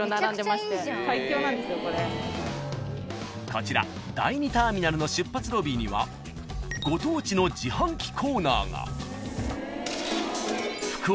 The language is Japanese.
［こちら第２ターミナルの出発ロビーにはご当地の自販機コーナーが］